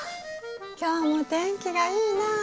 今日も天気がいいな。